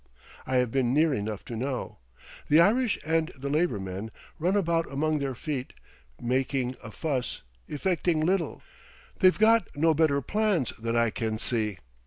I have been near enough to know. The Irish and the Labour men run about among their feet, making a fuss, effecting little, they've got no better plans that I can see.